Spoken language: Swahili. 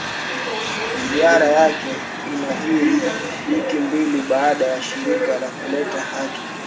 Ziara yake inajiri wiki mbili baada ya shirika la kuteta haki za binadamu kutoa ripoti